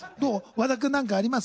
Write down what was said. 和田くん何かあります？